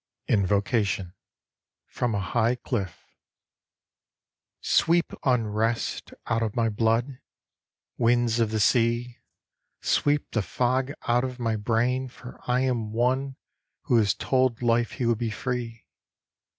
INVOCATION (From a High Cliff) Sweep unrest Out of my blood, Winds of the sea! Sweep the fog Out of my brain For I am one Who has told Life he will be free.